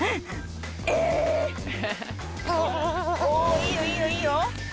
いいよいいよいいよ！